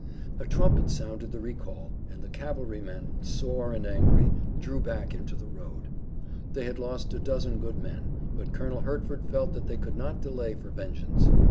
A trumpet sounded the recall and the cavalrymen, sore and angry, drew back into the road. They had lost a dozen good men, but Colonel Hertford felt that they could not delay for vengeance.